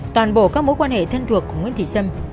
toàn bộ các mối quan hệ thân thuộc của nguyễn thị sâm